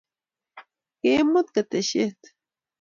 Kiimut keteshet